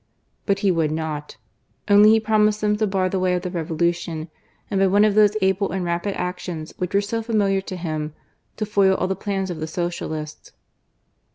But he would not : only he promised them to bar the way of the Revolution, and by one of those able and rapid actions which were so familiar to him, to foil all the plans of the Socialists.